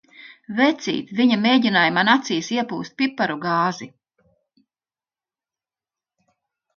Vecīt, viņa mēģināja man acīs iepūst piparu gāzi!